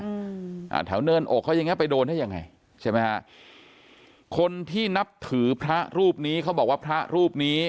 อืมอ่าแถวเนินอกเขาอย่างเงี้ไปโดนได้ยังไงใช่ไหมฮะคนที่นับถือพระรูปนี้เขาบอกว่าพระรูปนี้